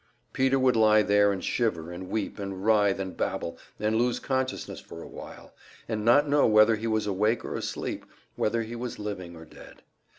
Peter would lie there and shiver and weep, and writhe, and babble, and lose consciousness for a while, and not know whether he was awake or asleep, whether he was living or dead.